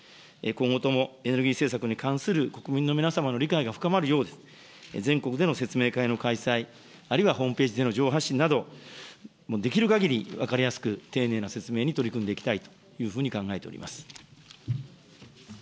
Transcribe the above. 今後ともエネルギー政策に関する国民の皆様の理解が深まるように、全国での説明会の開催、あるいはホームページでの情報発信など、できるかぎり分かりやすく、丁寧な説明に取り組んでいきたいというふうに考えております。